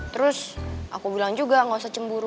terus aku bilang juga gak usah cemburu